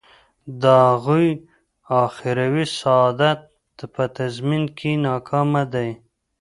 د هغوی اخروي سعادت په تضمین کې ناکامه دی.